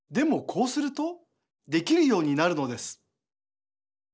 こうするとできるようになるのです。